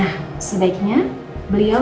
nah sebaiknya beliau